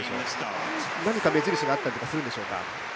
何か目印があったりするんでしょうか。